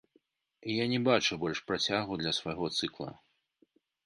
Я не бачу больш працягу для свайго цыкла.